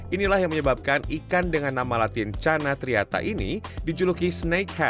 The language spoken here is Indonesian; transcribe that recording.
ini bibitnya ya pak ya